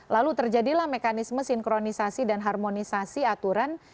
lalu terjadilah mekanisme sinkronisasi dan harmonisasi aturan